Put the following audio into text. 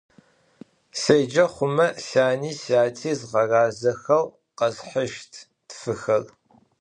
Sêce xhume, syani syati zğerazexeu kheshışt tfıxer.